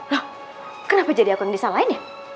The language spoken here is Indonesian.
loh kenapa jadi aku yang disalahin ya